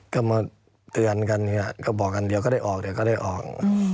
ก็มาเตือนกันเนี่ยก็บอกกันเดี๋ยวก็ได้ออกเดี๋ยวก็ได้ออก